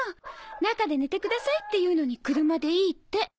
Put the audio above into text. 中で寝てくださいって言うのに車でいいって。